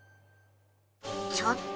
ちょっと！